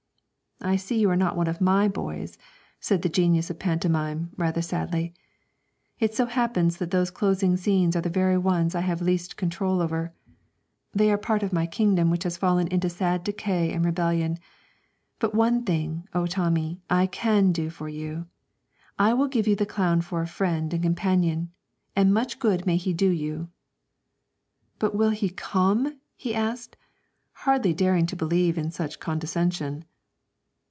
'I see you are not one of my boys,' said the Genius of Pantomime, rather sadly. 'It so happens that those closing scenes are the very ones I have least control over they are a part of my kingdom which has fallen into sad decay and rebellion. But one thing, O Tommy, I can do for you. I will give you the clown for a friend and companion and much good may he do you!' 'But would he come?' he asked, hardly daring to believe in such condescension.